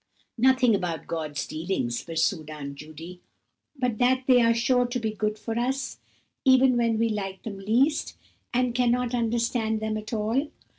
"Nothing about God's dealings," pursued Aunt Judy, "but that they are sure to be good for us, even when we like them least, and cannot understand them at all.